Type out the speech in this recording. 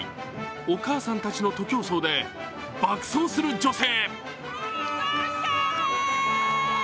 お母さんたちの徒競走で爆走する女性。